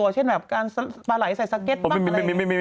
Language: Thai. เช่นการสลายใส่สเก็ตบ้างเลย